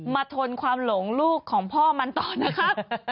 ทนความหลงลูกของพ่อมันต่อนะครับ